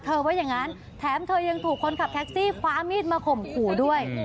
ว่าอย่างนั้นแถมเธอยังถูกคนขับแท็กซี่คว้ามีดมาข่มขู่ด้วย